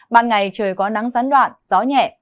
bạn ngày trời có nắng gián đoạn gió nhẹ